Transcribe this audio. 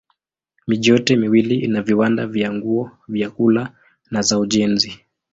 Miji yote miwili ina viwanda vya nguo, vyakula na za ujenzi.